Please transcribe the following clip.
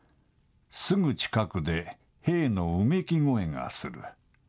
すぐ近くで兵のうめき声がする。